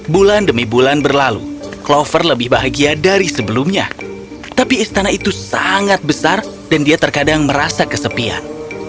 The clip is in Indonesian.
bulan demi bulan berlalu clover lebih bahagia dari sebelumnya tapi istana itu sangat besar dan dia terkadang merasa kesepian